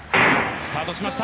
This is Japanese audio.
スタートしました。